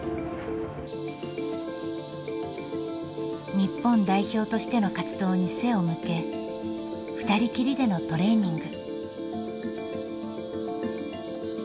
日本代表としての活動に背を向けふたりきりでのトレーニング。